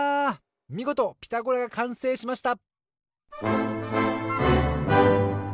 みごと「ピタゴラ」がかんせいしました